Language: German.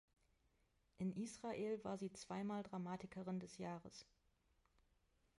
In Israel war sie zweimal Dramatikerin des Jahres.